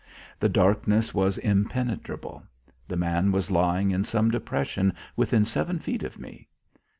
The darkness was impenetrable. The man was lying in some depression within seven feet of me.